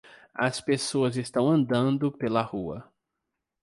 as pessoas estão andando pela rua.